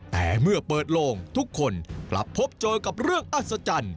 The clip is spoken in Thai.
แต่เมื่อเปิดโลงทุกคนกลับพบเจอกับเรื่องอัศจรรย์